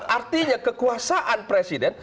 artinya kekuasaan presiden